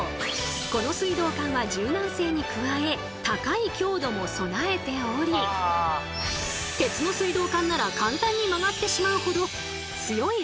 この水道管は柔軟性に加え高い強度も備えており鉄の水道管なら簡単に曲がってしまうほど強い圧力をかけても大丈夫。